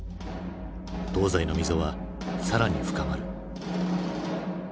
東西の溝は更に深まる。